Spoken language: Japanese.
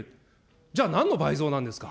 じゃあ、なんの倍増なんですか。